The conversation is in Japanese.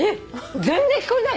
全然聞こえないの。